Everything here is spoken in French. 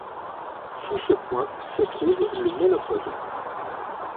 Sous ce point se trouve le monopode.